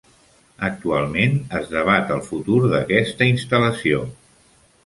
Actualment es debat el futur d'aquesta instal·lació.